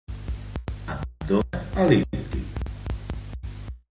Abdomen el·líptic.